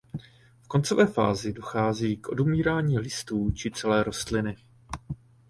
V koncové fázi dochází k odumírání listů či celé rostliny.